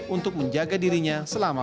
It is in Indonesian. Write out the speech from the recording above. untuk menjaga kemampuan mereka